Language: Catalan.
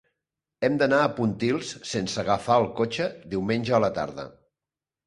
He d'anar a Pontils sense agafar el cotxe diumenge a la tarda.